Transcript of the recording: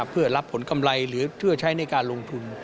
เพื่อรับผลกำไรหรือเพื่อใช้ในการลงทุน